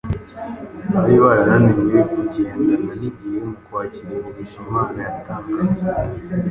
bari barananiwe kugendana n’igihe mu kwakira imigisha Imana yatangaga